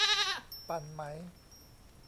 ปั่นไหม ?